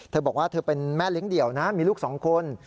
เธอบอกว่าเธอเป็นแม่เลี้ยงเดี่ยวนะมีลูกสองคน